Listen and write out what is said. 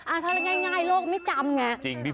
อ่ะทะเลง่ายโลกก็ไม่จำเนี่ย